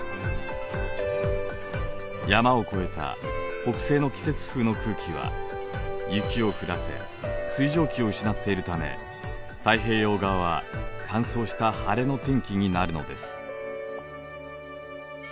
山を越えた北西の季節風の空気は雪を降らせ水蒸気を失っているため太平洋側は乾燥した晴れの天気になるのです。